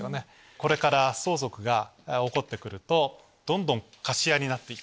これから相続が起こって来るとどんどん貸家になって行く。